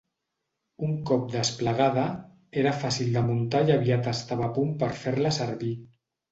Un cop desplegada, era fàcil de muntar i aviat estava a punt per fer-la servir.